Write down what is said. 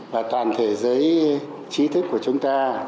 và toàn thế giới trí thức của chúng ta